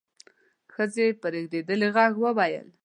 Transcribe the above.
ښځې په رېږدېدلي غږ وويل: